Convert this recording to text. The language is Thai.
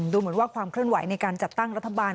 ดูเหมือนว่าความเคลื่อนไหวในการจัดตั้งรัฐบาล